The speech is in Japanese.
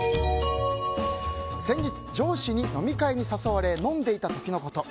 先日、上司に飲み会に誘われ飲んでいた時のこと。